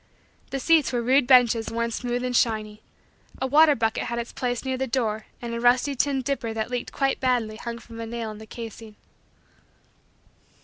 The seats were rude benches worn smooth and shiny. A water bucket had its place near the door and a rusty tin dipper that leaked quite badly hung from a nail in the casing.